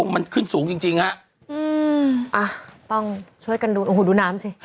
มันขึ้นสูงจริงจริงฮะอืมอ่ะต้องช่วยกันดูโอ้โหดูน้ำสิ